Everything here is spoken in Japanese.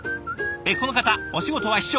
この方お仕事は秘書。